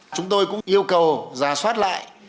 chúng tôi cũng yêu cầu giả soát lại